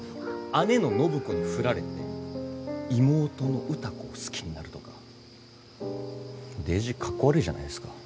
姉の暢子に振られて妹の歌子を好きになるとかデージ格好悪いじゃないですか。